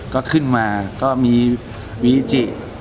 ก็ขึ้นมาก็มีวีจิ